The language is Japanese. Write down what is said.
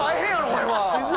これは。